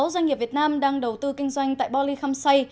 một mươi sáu doanh nghiệp việt nam đang đầu tư kinh doanh tại bò lì khăm xây